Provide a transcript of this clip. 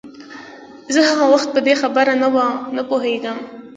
زه هغه وخت په دې خبره نه پوهېدم.